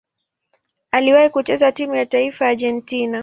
Aliwahi kucheza timu ya taifa ya Argentina.